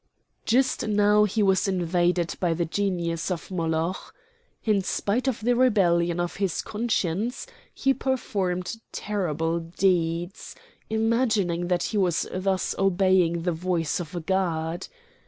Just now he was invaded by the genius of Moloch. In spite of the rebellion of his conscience, he performed terrible deeds, imagining that he was thus obeying the voice of a god.